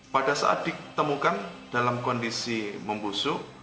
pada saat ditemukan dalam kondisi membusuk